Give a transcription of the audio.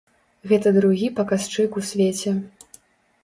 Гэта другі паказчык у свеце.